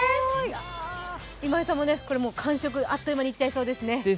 今井さんもこれ、完食、あっという間にいっちゃいそうですね。